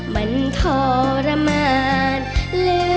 มันทรมานเหลือเกิน